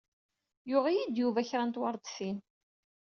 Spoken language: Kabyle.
Yuɣ-iyi-d Yuba kra n tweṛdtin.